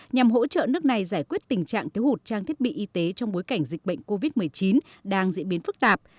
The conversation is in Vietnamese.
nhằm hỗ trợ nước này giải quyết tình trạng thiếu hụt trang thiết bị y tế trong bối cảnh dịch bệnh covid một mươi chín đang diễn biến phức tạp